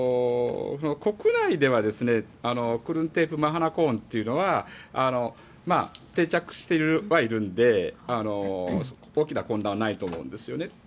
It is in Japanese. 国内ではクルンテープ・マハナコーンというのは定着してはいるので大きな混乱はないと思うんですね。